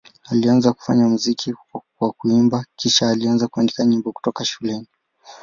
Alianza kufanya muziki kwa kuimba, kisha alianza kuandika nyimbo kutoka shuleni.